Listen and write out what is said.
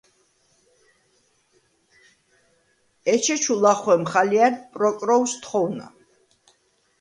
ეჩეჩუ ლახუ̂ემხ ალჲა̈რდ პროკროუ̂ს თხოუ̂ნა: